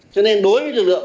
cho nên đối với lực lượng